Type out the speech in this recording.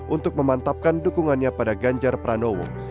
untuk memantapkan dukungannya pada ganjar pranowo